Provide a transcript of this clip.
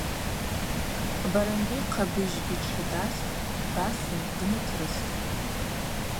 Барамби-хъабыжь йтшы дастӏ, дасын днатрыстӏ.